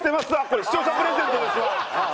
これ視聴者プレゼントですわ！